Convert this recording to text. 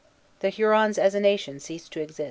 The Hurons, as a nation, ceased to exist.